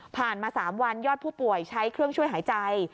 มา๓วันยอดผู้ป่วยใช้เครื่องช่วยหายใจ